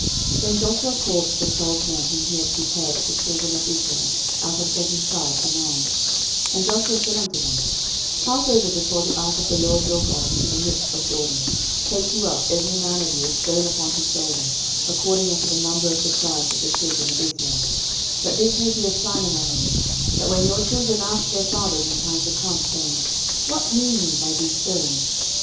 06:004:004 Then Joshua called the twelve men, whom he had prepared of the children of Israel, out of every tribe a man: 06:004:005 And Joshua said unto them, Pass over before the ark of the LORD your God into the midst of Jordan, and take you up every man of you a stone upon his shoulder, according unto the number of the tribes of the children of Israel: 06:004:006 That this may be a sign among you, that when your children ask their fathers in time to come, saying, What mean ye by these stones?